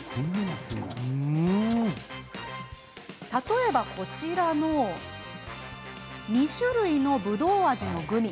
例えば、こちらの２種類のぶどう味のグミ。